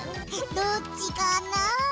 どっちかな？